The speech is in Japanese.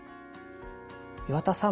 岩田さん